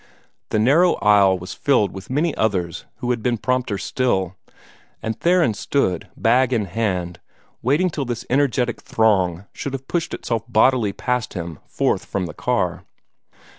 The narrow aisle was filled with many others who had been prompter still; and Theron stood, bag in hand, waiting till this energetic throng should have pushed itself bodily past him forth from the car.